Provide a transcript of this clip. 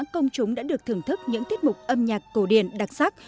công chúng đã được thưởng thức những tiết mục âm nhạc cổ điển đặc sắc